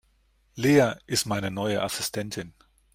Lea ist meine neue Assistentin.